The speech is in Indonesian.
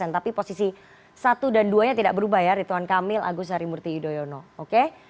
tapi posisi satu dan dua nya tidak berubah ya ritwan kamil agus harimurti yudhoyono